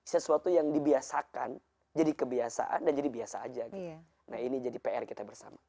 sesuatu yang dibiasakan jadi kebiasaan dan jadi biasa aja gitu nah ini jadi pr kita bersama